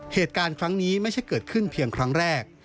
เหตุการณ์ครั้งนี้ไม่ใช่เกิดขึ้นเพียงครั้งแรก